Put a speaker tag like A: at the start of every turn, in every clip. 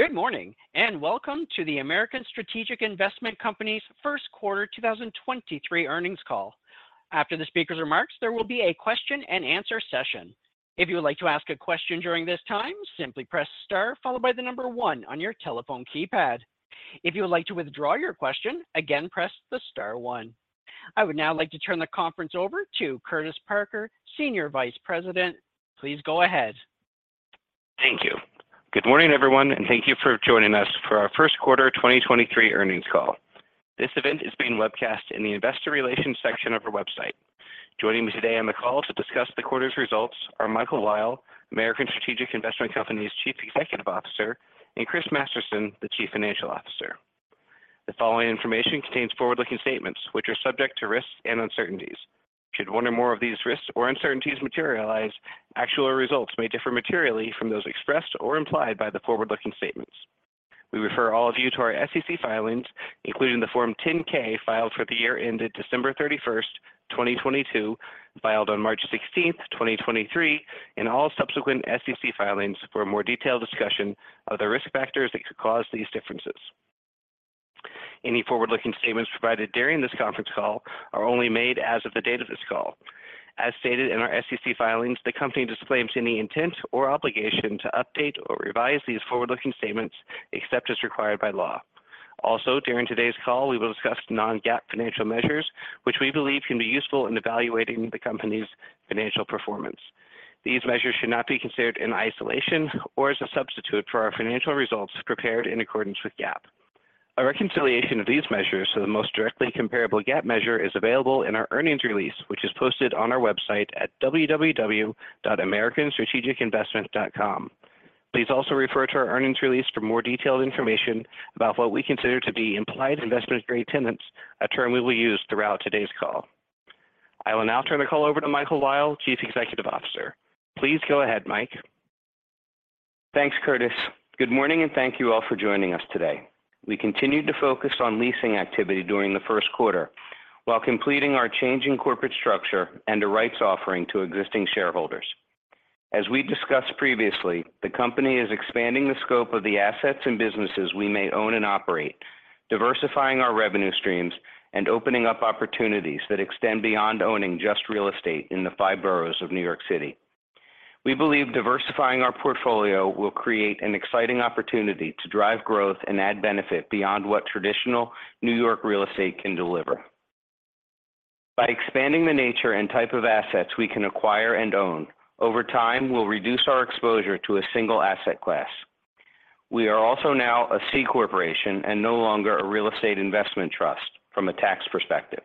A: Good morning, welcome to the American Strategic Investment Co.'s First Quarter 2023 Earnings Call. After the speaker's remarks, there will be a question-and-answer session. If you would like to ask a question during this time, simply press star followed by the number one on your telephone keypad. If you would like to withdraw your question, again, press the star one. I would now like to turn the conference over to Curtis Parker, Senior Vice President. Please go ahead.
B: Thank you. Good morning, everyone, and thank you for joining us for our first quarter 2023 earnings call. This event is being webcast in the Investor Relations section of our website. Joining me today on the call to discuss the quarter's results are Michael Weil, American Strategic Investment Company's Chief Executive Officer, and Chris Masterson, the Chief Financial Officer. The following information contains forward-looking statements which are subject to risks and uncertainties. Should one or more of these risks or uncertainties materialize, actual results may differ materially from those expressed or implied by the forward-looking statements. We refer all of you to our SEC filings, including the Form 10-K filed for the year ended December 31st, 2022, filed on March 16th, 2023, and all subsequent SEC filings for a more detailed discussion of the risk factors that could cause these differences. Any forward-looking statements provided during this conference call are only made as of the date of this call. As stated in our SEC filings, the company disclaims any intent or obligation to update or revise these forward-looking statements except as required by law. Also, during today's call, we will discuss non-GAAP financial measures, which we believe can be useful in evaluating the company's financial performance. These measures should not be considered in isolation or as a substitute for our financial results prepared in accordance with GAAP. A reconciliation of these measures to the most directly comparable GAAP measure is available in our earnings release, which is posted on our website at www.americanstrategicinvestment.com. Please also refer to our earnings release for more detailed information about what we consider to be implied Investment Grade tenants, a term we will use throughout today's call. I will now turn the call over to Michael Weil, Chief Executive Officer. Please go ahead, Mike.
C: Thanks, Curtis. Good morning, and thank you all for joining us today. We continued to focus on leasing activity during the first quarter while completing our change in corporate structure and a rights offering to existing shareholders. As we discussed previously, the company is expanding the scope of the assets and businesses we may own and operate, diversifying our revenue streams and opening up opportunities that extend beyond owning just real estate in the five boroughs of New York City. We believe diversifying our portfolio will create an exciting opportunity to drive growth and add benefit beyond what traditional New York real estate can deliver. By expanding the nature and type of assets we can acquire and own, over time we'll reduce our exposure to a single asset class. We are also now a C corporation and no longer a real estate investment trust from a tax perspective.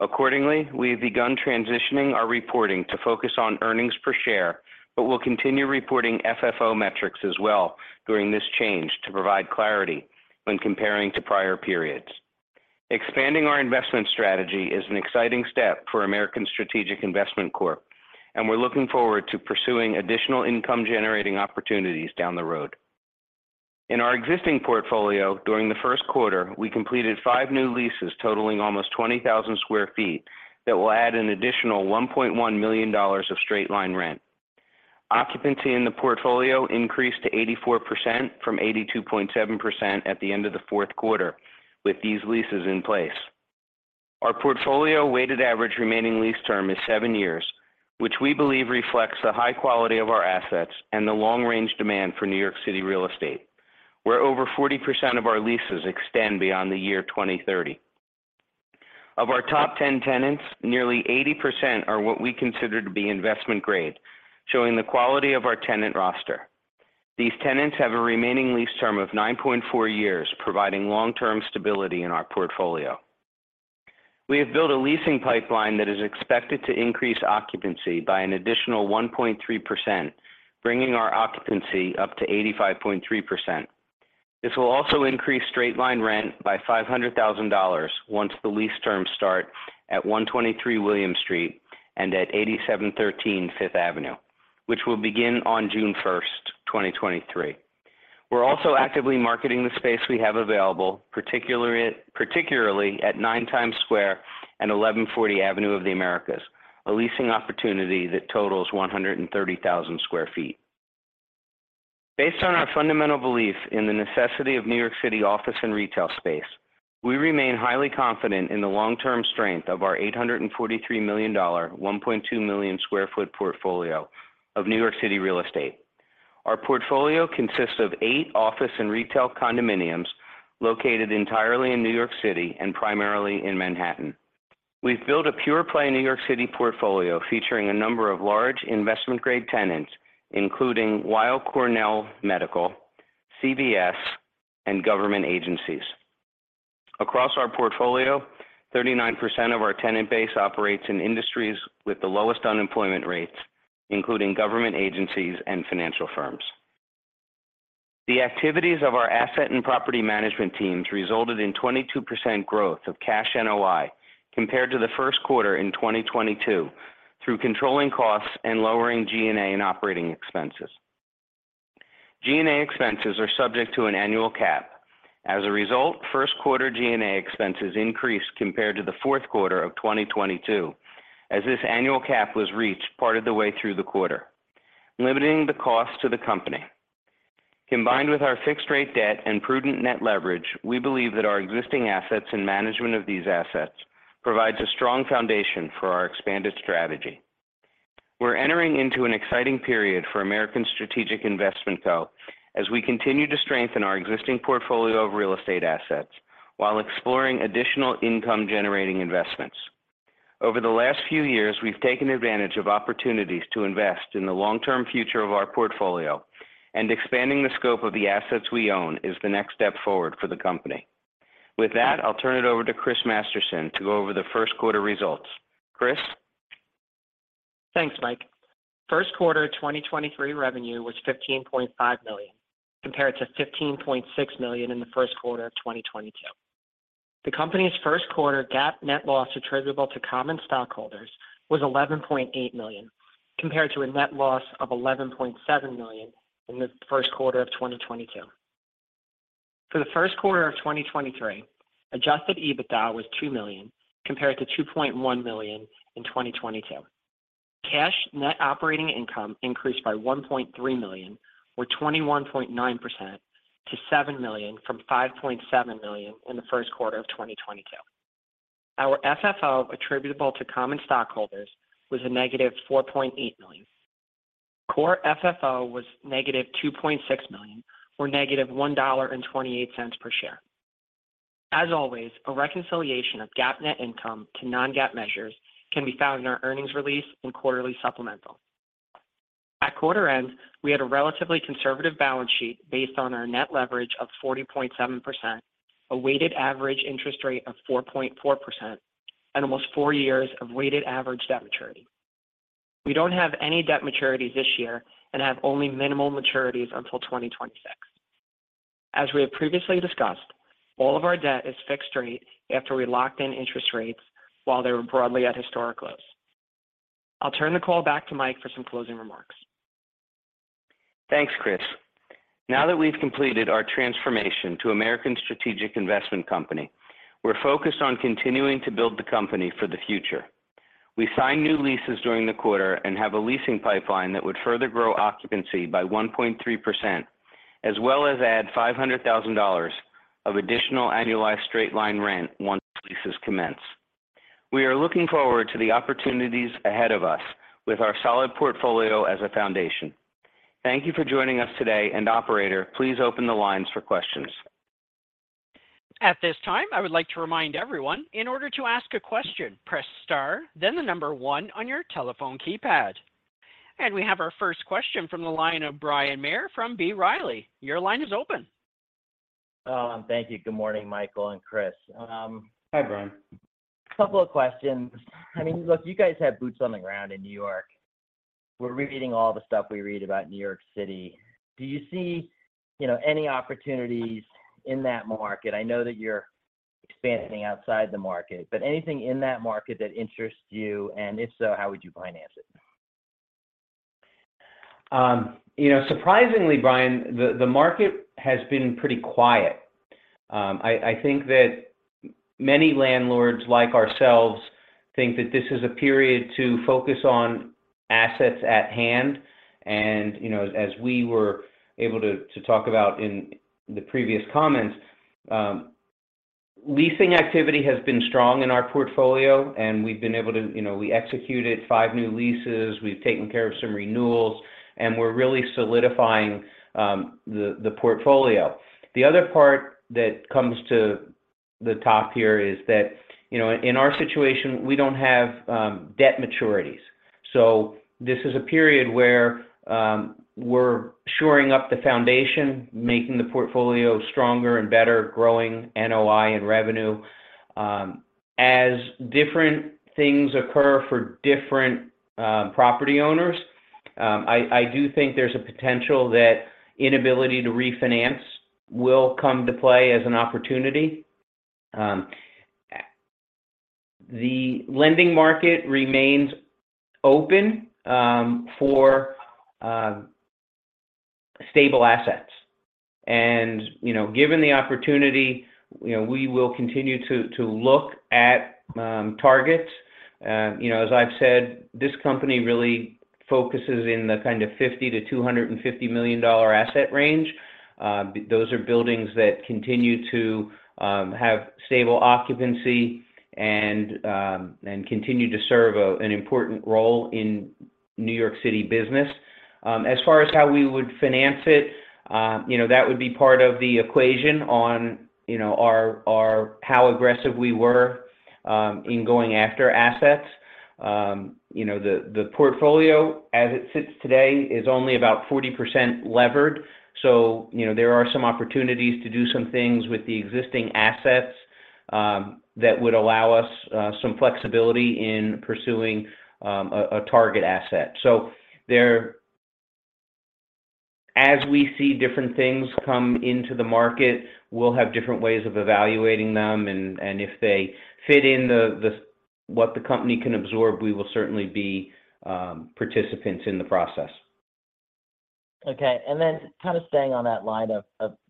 C: Accordingly, we have begun transitioning our reporting to focus on earnings per share, but we'll continue reporting FFO metrics as well during this change to provide clarity when comparing to prior periods. Expanding our investment strategy is an exciting step for American Strategic Investment Co., and we're looking forward to pursuing additional income generating opportunities down the road. In our existing portfolio, during the first quarter, we completed five new leases totaling almost 20,000 sq ft that will add an additional $1.1 million of straight-line rent. Occupancy in the portfolio increased to 84% from 82.7% at the end of the fourth quarter with these leases in place. Our portfolio weighted average remaining lease term is 7 years, which we believe reflects the high quality of our assets and the long range demand for New York City real estate, where over 40% of our leases extend beyond the year 2030. Of our top 10 tenants, nearly 80% are what we consider to be Investment Grade, showing the quality of our tenant roster. These tenants have a remaining lease term of 9.4 years, providing long-term stability in our portfolio. We have built a leasing pipeline that is expected to increase occupancy by an additional 1.3%, bringing our occupancy up to 85.3%. This will also increase straight-line rent by $500,000 once the lease terms start at 123 William Street and at 8713 Fifth Avenue, which will begin on June 1, 2023. We're also actively marketing the space we have available, particularly at Nine Times Square and Eleven Forty Avenue of the Americas, a leasing opportunity that totals 130,000 sq ft. Based on our fundamental belief in the necessity of New York City office and retail space, we remain highly confident in the long-term strength of our $843 million 1.2 million sq ft portfolio of New York City real estate. Our portfolio consists of eight office and retail condominiums located entirely in New York City and primarily in Manhattan. We've built a pure-play New York City portfolio featuring a number of large Investment Grade tenants, including Weill Cornell Medicine, CVS, and government agencies. Across our portfolio, 39% of our tenant base operates in industries with the lowest unemployment rates, including government agencies and financial firms. The activities of our asset and property management teams resulted in 22% growth of cash NOI compared to the first quarter in 2022 through controlling costs and lowering G&A and operating expenses. G&A expenses are subject to an annual cap. As a result, first quarter G&A expenses increased compared to the fourth quarter of 2022 as this annual cap was reached part of the way through the quarter, limiting the cost to the company. Combined with our fixed rate debt and prudent Net Leverage, we believe that our existing assets and management of these assets provides a strong foundation for our expanded strategy. We're entering into an exciting period for American Strategic Investment Co as we continue to strengthen our existing portfolio of real estate assets while exploring additional income-generating investments. Over the last few years, we've taken advantage of opportunities to invest in the long-term future of our portfolio, and expanding the scope of the assets we own is the next step forward for the company. With that, I'll turn it over to Chris Masterson to go over the first quarter results. Chris?
D: Thanks, Mike. First quarter of 2023 revenue was $15.5 million, compared to $15.6 million in the first quarter of 2022. The company's first quarter GAAP net loss attributable to common stockholders was $11.8 million, compared to a net loss of $11.7 million in the first quarter of 2022. For the first quarter of 2023, adjusted EBITDA was $2 million, compared to $2.1 million in 2022. Cash Net Operating Income increased by $1.3 million, or 21.9% to $7 million from $5.7 million in the first quarter of 2022. Our FFO attributable to common stockholders was a negative $4.8 million. Core FFO was negative $2.6 million, or negative $1.28 per share. As always, a reconciliation of GAAP net income to non-GAAP measures can be found in our earnings release and quarterly supplemental. At quarter end, we had a relatively conservative balance sheet based on our net leverage of 40.7%, a weighted average interest rate of 4.4%, and almost four years of weighted average debt maturity. We don't have any debt maturities this year and have only minimal maturities until 2026. As we have previously discussed, all of our debt is fixed rate after we locked in interest rates while they were broadly at historic lows. I'll turn the call back to Mike for some closing remarks.
C: Thanks, Chris. Now that we've completed our transformation to American Strategic Investment Co., we're focused on continuing to build the company for the future. We signed new leases during the quarter and have a leasing pipeline that would further grow occupancy by 1.3% as well as add $500,000 of additional annualized straight-line rent once leases commence. We are looking forward to the opportunities ahead of us with our solid portfolio as a foundation. Operator, please open the lines for questions.
A: At this time, I would like to remind everyone, in order to ask a question, press star then one on your telephone keypad. We have our first question from the line of Bryan Maher from B. Riley. Your line is open.
E: Thank you. Good morning, Michael and Chris.
C: Hi, Bryan Maher.
E: Couple of questions. I mean, look, you guys have boots on the ground in New York. We're reading all the stuff we read about New York City. Do you see, you know, any opportunities in that market? I know that you're expanding outside the market, but anything in that market that interests you, and if so, how would you finance it?
C: You know, surprisingly, Bryan, the market has been pretty quiet. I think that many landlords like ourselves think that this is a period to focus on assets at hand. You know, as we were able to talk about in the previous comments, leasing activity has been strong in our portfolio, and we've been able to... You know, we executed five new leases, we've taken care of some renewals, and we're really solidifying, the portfolio. The other part that comes to the top here is that, you know, in our situation, we don't have debt maturities. This is a period where we're shoring up the foundation, making the portfolio stronger and better, growing NOI and revenue. As different things occur for different property owners, I do think there's a potential that inability to refinance will come to play as an opportunity. The lending market remains open for stable assets. You know, given the opportunity, you know, we will continue to look at targets. You know, as I've said, this company really focuses in the kind of $50 million-$250 million asset range. Those are buildings that continue to have stable occupancy and continue to serve an important role in New York City business. As far as how we would finance it, you know, that would be part of the equation on, you know, our how aggressive we were in going after assets. You know, the portfolio as it sits today is only about 40% levered, so, you know, there are some opportunities to do some things with the existing assets that would allow us some flexibility in pursuing a target asset. As we see different things come into the market, we'll have different ways of evaluating them, and if they fit in what the company can absorb, we will certainly be participants in the process.
E: Okay. Kind of staying on that line of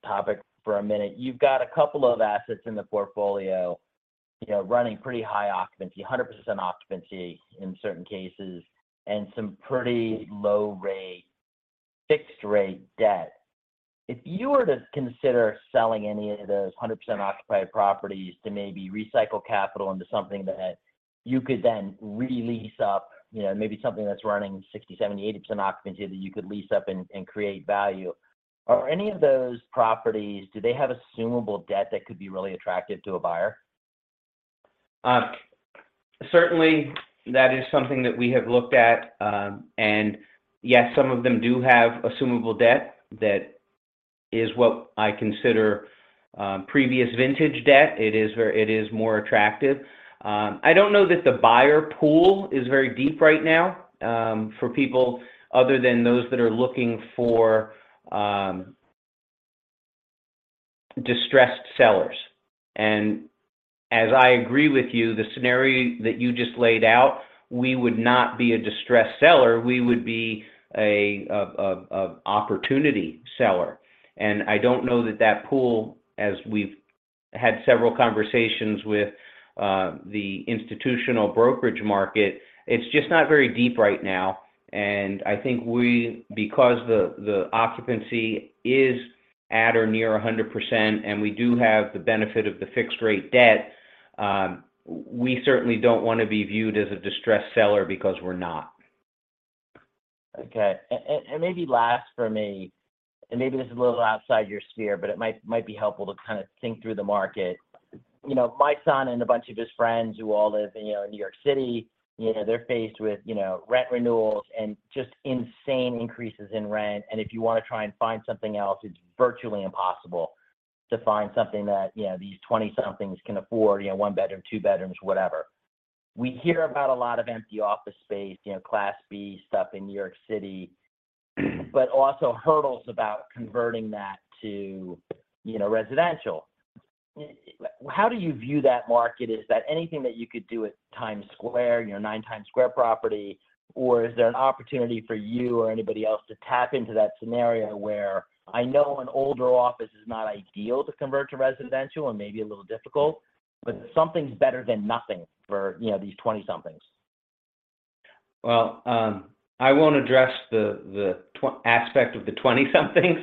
E: topic for a minute. You've got a couple of assets in the portfolio, you know, running pretty high occupancy, 100% occupancy in certain cases, and some pretty low rate, fixed rate debt. If you were to consider selling any of those 100% occupied properties to maybe recycle capital into something that you could then re-lease up, you know, maybe something that's running 60%, 70%, 80% occupancy that you could lease up and create value. Are any of those properties, do they have assumable debt that could be really attractive to a buyer?
C: Certainly that is something that we have looked at. Yes, some of them do have assumable debt that is what I consider previous vintage debt. It is where it is more attractive. I don't know that the buyer pool is very deep right now for people other than those that are looking for distressed sellers. As I agree with you, the scenario that you just laid out, we would not be a distressed seller, we would be a opportunity seller. I don't know that that pool, as we've had several conversations with the institutional brokerage market, it's just not very deep right now. I think because the occupancy is at or near 100%, and we do have the benefit of the fixed rate debt, we certainly don't want to be viewed as a distressed seller because we're not.
E: Okay. Maybe last for me, and maybe this is a little outside your sphere, but it might be helpful to kind of think through the market. You know, my son and a bunch of his friends who all live in, you know, New York City, you know, they're faced with, you know, rent renewals and just insane increases in rent. If you want to try and find something else, it's virtually impossible to find something that, you know, these 20-somethings can afford, you know, one bedroom, two bedrooms, whatever. We hear about a lot of empty office space, you know, Class B stuff in New York City, but also hurdles about converting that to, you know, residential. How do you view that market? Is that anything that you could do at Times Square, your Nine Times Square property? Is there an opportunity for you or anybody else to tap into that scenario where I know an older office is not ideal to convert to residential and maybe a little difficult, but something's better than nothing for, you know, these 20-somethings.
C: Well, I won't address the aspect of the 20-somethings,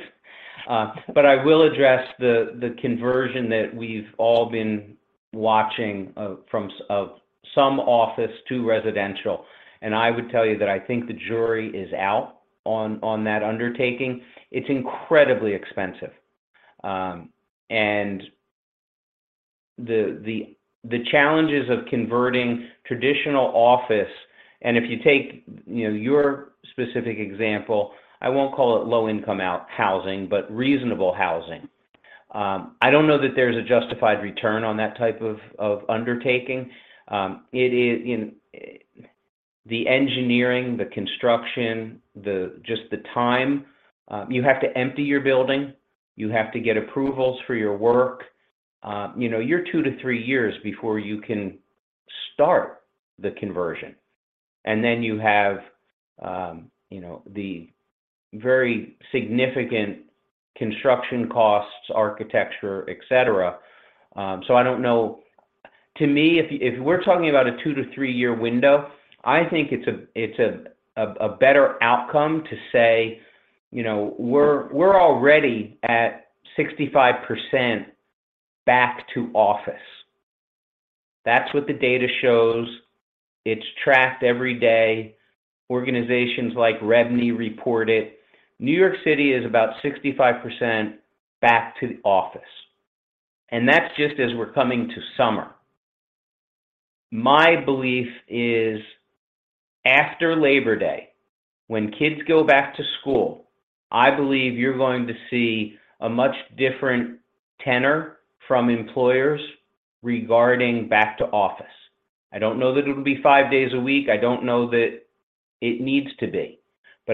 C: but I will address the conversion that we've all been watching, from of some office to residential. I would tell you that I think the jury is out on that undertaking. It's incredibly expensive. The challenges of converting traditional office, and if you take, you know, your specific example, I won't call it low income housing, but reasonable housing. I don't know that there's a justified return on that type of undertaking. It is in... The engineering, the construction, just the time. You have to empty your building. You have to get approvals for your work. You know, you're two-three years before you can start the conversion. Then you have, you know, the very significant construction costs, architecture, et cetera. I don't know. To me, if we're talking about a two-three year window, I think it's a better outcome to say, you know, we're already at 65% back to office. That's what the data shows. It's tracked every day. Organizations like REBNY report it. New York City is about 65% back to the office, and that's just as we're coming to summer. My belief is after Labor Day, when kids go back to school, I believe you're going to see a much different tenor from employers regarding back to office. I don't know that it'll be five days a week. I don't know that it needs to be.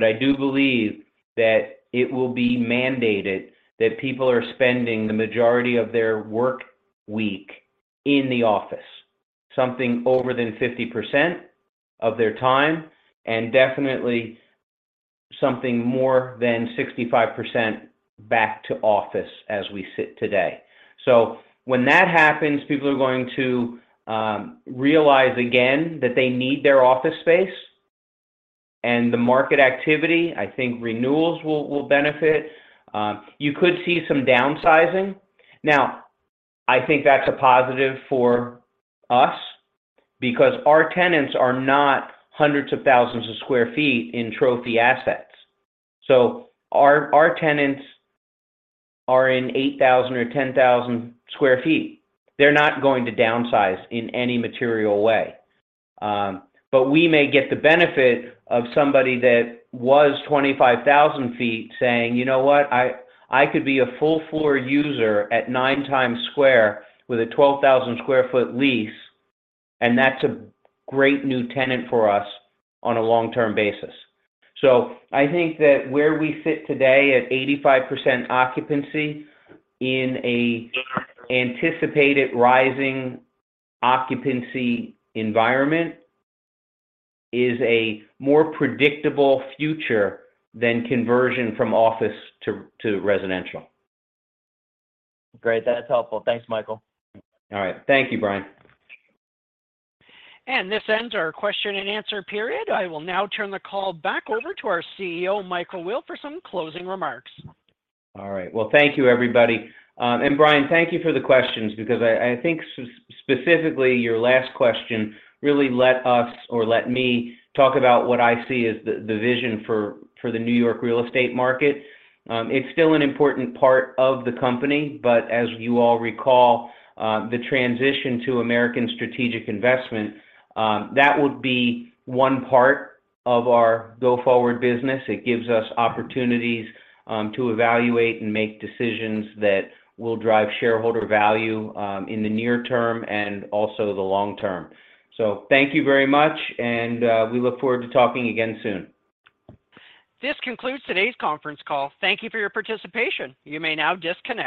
C: I do believe that it will be mandated that people are spending the majority of their work week in the office, something over than 50% of their time, and definitely something more than 65% back to office as we sit today. When that happens, people are going to realize again that they need their office space. The market activity, I think renewals will benefit. You could see some downsizing. Now, I think that's a positive for us because our tenants are not hundreds of thousands of sq ft in trophy assets. Our tenants are in 8,000 or 10,000 sq ft. They're not going to downsize in any material way. But we may get the benefit of somebody that was 25,000 sq ft saying, You know what? I could be a full floor user at Nine Times Square with a 12,000 sq ft lease. That's a great new tenant for us on a long term basis. I think that where we sit today at 85% occupancy in a anticipated rising occupancy environment is a more predictable future than conversion from office to residential.
E: Great. That's helpful. Thanks, Michael.
C: All right. Thank you, Bryan.
A: This ends our question and answer period. I will now turn the call back over to our CEO, Michael Weil, for some closing remarks.
C: All right. Well, thank you, everybody. Bryan, thank you for the questions because I think specifically your last question really let us or let me talk about what I see as the vision for the New York real estate market. It's still an important part of the company, but as you all recall, the transition to American Strategic Investment, that would be one part of our go forward business. It gives us opportunities to evaluate and make decisions that will drive shareholder value in the near term and also the long term. Thank you very much, and we look forward to talking again soon.
A: This concludes today's conference call. Thank you for your participation. You may now disconnect.